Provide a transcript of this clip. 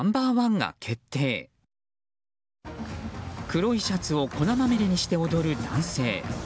黒いシャツを粉まみれにして踊る男性。